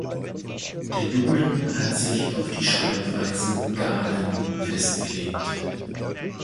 Der Duden hat sich auf die Schreibweise Gaden festgelegt.